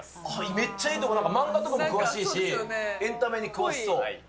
めっちゃいいところ、漫画とかにも詳しいし、エンタメに詳しそう。